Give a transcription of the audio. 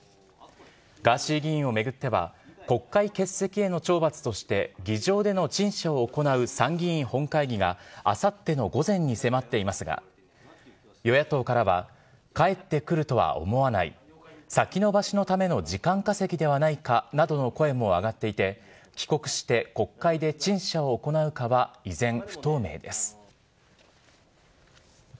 ガーシー議員を巡っては、国会欠席への懲罰として議場での陳謝を行う参議院本会議があさっての午前に迫っていますが、与野党からは、帰ってくるとは思わない、先延ばしのための時間稼ぎではないかなどの声も上がっていて、帰国して、国会で陳謝を行うかは依然、不透明です。